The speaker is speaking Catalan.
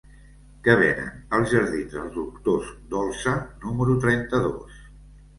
Què venen als jardins dels Doctors Dolsa número trenta-dos?